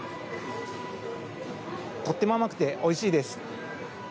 とっても甘くておいしいです。